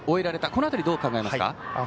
この辺りはどう考えますか。